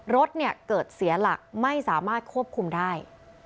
รถเนี่ยเกิดเสียหลักไม่สามารถควบคุมได้